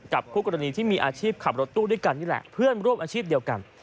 คู่กรณีที่มีอาชีพขับรถตู้ด้วยกันนี่แหละเพื่อนร่วมอาชีพเดียวกัน